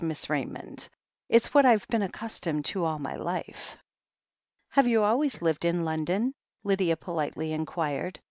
Miss Raymond. It's what I've been accustomed to all my life." "Have you always lived in London ?" Lydia politely inquired.